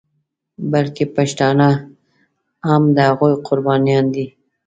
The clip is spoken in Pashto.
بلکې پښتانه هم د هغوی قربانیان دي.